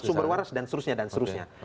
sumber waras dan seterusnya